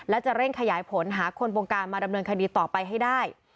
และจะเร่งขยายผลหาคนบงการมาดำเนินคดีต่อไปให้ได้